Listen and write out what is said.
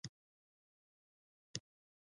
د مفصلونو د اوبو لپاره د کوم شي پاڼې وکاروم؟